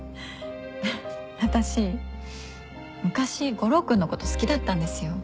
私昔悟郎君のこと好きだったんですよ。